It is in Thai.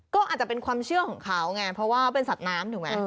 ก็อาจจะเป็นความเชื่อของเขาไงเพราะว่าเป็นสัตว์น้ำถูกไหม